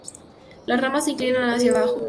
Las ramas se inclinan hacia abajo.